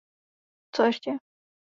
Co eště?